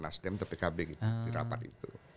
nasdem tpkb gitu di rapat itu